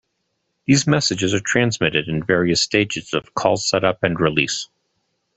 These messages are transmitted in various stages of call setup and release.